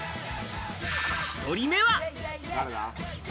１人目は。